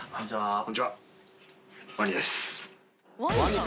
こんにちは。